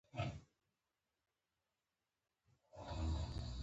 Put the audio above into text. د لومړي ډول احکامو ته د شريعت علم ويل کېږي .